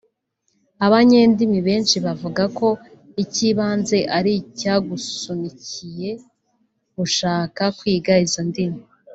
Abanyendimi benshi bavuga ko icy’ibanze ari icyagusunikiye gushaka kwiga izo ndimi